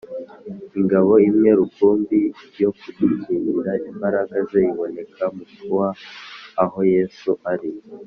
ingabo imwe rukumbi yo kudukingira imbaraga ze iboneka mu kuba aho yesu ari